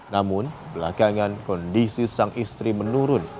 namun belakangan kondisi sang istri menurun